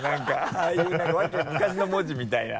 ああいう何か昔の文字みたいな。